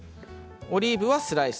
オリーブはスライス。